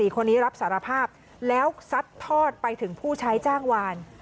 คนนี้รับสารภาพแล้วซัดทอดไปถึงผู้ใช้จ้างวาน